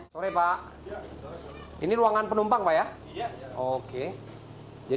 sore pak ini ruangan penumpang pak ya